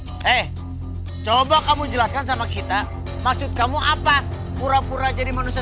hai eh coba kamu jelaskan sama kita maksud kamu apa pura pura jadi manusia